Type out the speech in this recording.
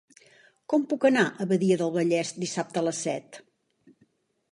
Com puc anar a Badia del Vallès dissabte a les set?